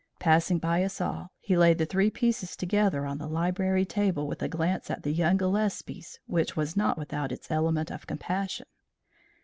Passing by us all, he laid the three pieces together on the library table with a glance at the young Gillespies which was not without its element of compassion.